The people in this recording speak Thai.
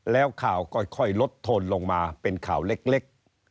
แล้วข่าวก็ค่อยลดโทนลงมาเป็นข่าวเล็ก